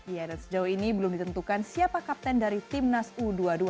ya dan sejauh ini belum ditentukan siapa kapten dari timnas u dua puluh dua